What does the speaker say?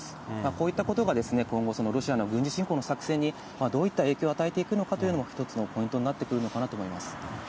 こういったことが、今後ロシアの軍事侵攻の作戦にどういった影響を与えていくのかというのも一つのポイントになってくるのかなと思います。